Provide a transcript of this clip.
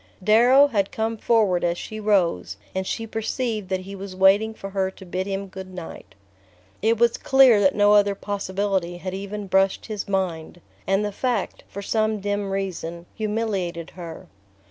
Darrow had come forward as she rose, and she perceived that he was waiting for her to bid him good night. It was clear that no other possibility had even brushed his mind; and the fact, for some dim reason, humiliated her.